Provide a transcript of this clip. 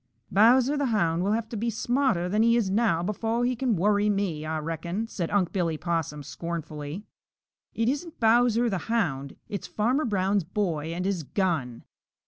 "Bowser the Hound will have to be smarter than he is now befo' he can worry me, Ah reckon," said Unc' Billy Possum scornfully. "It isn't Bowser the Hound; it's Farmer Brown's boy and his gun!"